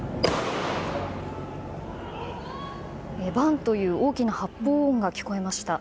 バンという大きな発砲音が聞こえました。